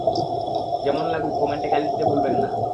যেমনেই লাগুক কমেন্টে গালি দিতে ভুলবেন না।